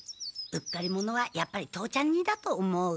うっかり者はやっぱり父ちゃん似だと思う。